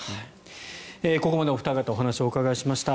ここまでお二方にお話をお伺いしました。